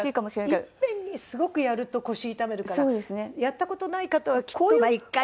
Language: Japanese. いっぺんにすごくやると腰痛めるからやった事ない方はきっと。